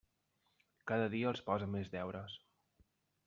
Cada dia els posen més deures.